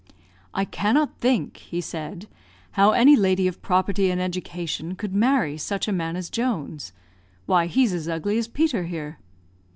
"I cannot think," he said, "how any lady of property and education could marry such a man as Jones. Why, he's as ugly as Peter here."